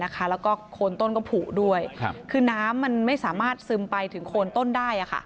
แล้วก็โคนต้นก็ผูด้วยคือน้ำมันไม่สามารถซึมไปถึงโคนต้นได้